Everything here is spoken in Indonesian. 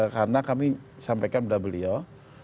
karena kami sampaikan kepada beliau